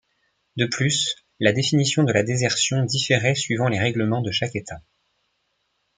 De plus, la définition de la désertion différait suivant les règlements de chaque État.